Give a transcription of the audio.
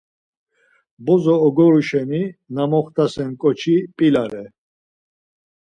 Bozo ogoru şeni na moxtasen ǩoçi p̌ilare.